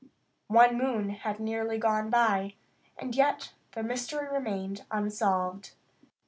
One moon had nearly gone by, and yet the mystery remained unsolved.